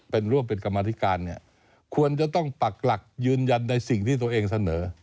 เป็นร่วมเป็นกรรมธิการเนี่ยควรจะต้องปักหลักยืนยันในสิ่งที่ตัวเองเสนอ